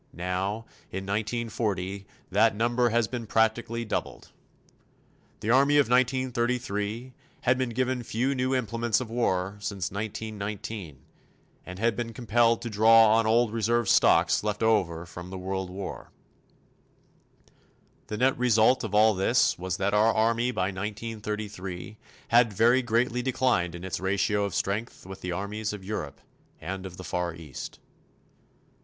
Now, in 1940, that number has been practically doubled. The Army of 1933 had been given few new implements of war since 1919, and had been compelled to draw on old reserve stocks left over from the World War. The net result of all this was that our Army by l933 had very greatly declined in its ratio of strength with the armies of Europe and of the Far East.